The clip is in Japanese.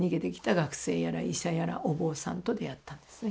学生やら医者やらお坊さんと出会ったんですね。